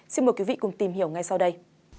xin mời quý vị cùng tìm hiểu ngay sau đây